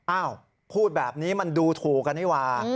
อ้าวพูดแบบนี้มันดูถูกกันนี่ว่า